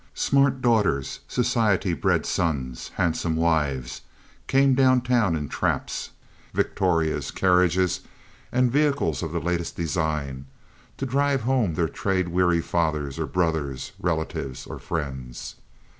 Smart daughters, society bred sons, handsome wives came down town in traps, Victorias, carriages, and vehicles of the latest design to drive home their trade weary fathers or brothers, relatives or friends.